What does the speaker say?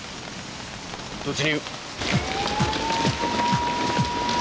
突入。